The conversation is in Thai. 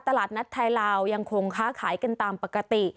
ตลาดนัดไทยลาวยังคงค้าขายกันตามปกติ